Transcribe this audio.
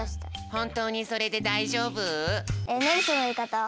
ほんとうにそれでだいじょうぶ？